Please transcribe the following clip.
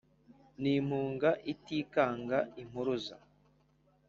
n’impunga itikanga impuruza